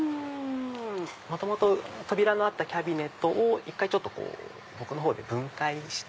元々扉のあったキャビネットを１回僕の方で分解して。